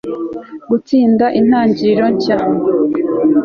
gutsinda, intangiriro nshya